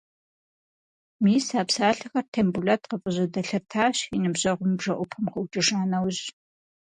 Мис а псалъэхэр Тембулэт къыфӏыжьэдэлъэтащ, и ныбжьэгъум и бжэӏупэм къыӏукӏыжа нэужь.